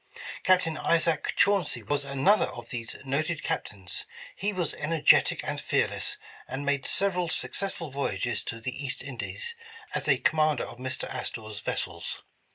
Captain Isaac Chauncy was another of these noted Captains. He was energetic and fearless, and made several successful voyages to the East Indies as a com mander of Mr. Astor 's vessels.